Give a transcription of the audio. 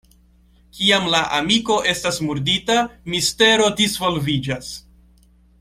Kiam la amiko estas murdita, mistero disvolviĝas.